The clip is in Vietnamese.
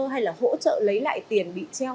hay là hỗ trợ lấy lại tiền bị treo